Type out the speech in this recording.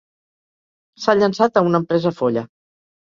S'ha llançat a una empresa folla.